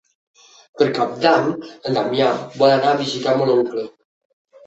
Per Cap d'Any en Damià vol anar a visitar mon oncle.